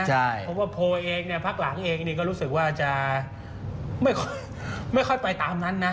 เพราะว่าโพลเองเนี่ยพักหลังเองก็รู้สึกว่าจะไม่ค่อยไปตามนั้นนะ